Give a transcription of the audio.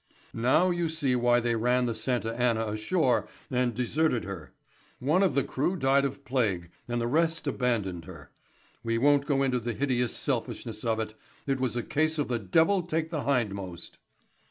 Now you see why they ran the Santa Anna ashore and deserted her. One of the crew died of plague, and the rest abandoned her. We won't go into the hideous selfishness of it; it was a case of the devil take the hindmost."